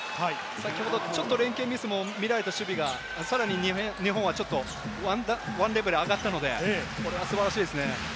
先ほどちょっと連係ミスも見られた守備がさらに、日本は１レベル上がったので、これは素晴らしいですね。